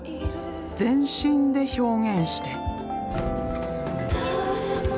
全身で表現して。